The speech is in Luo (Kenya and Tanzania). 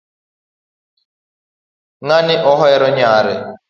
Ng'ani ohero nyare